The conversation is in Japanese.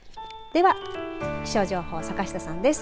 では、気象情報、坂下さんです。